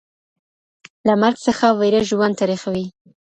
له مرګ څخه ویره ژوند تریخوي.